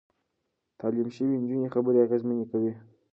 تعليم شوې نجونې خبرې اغېزمنې کوي.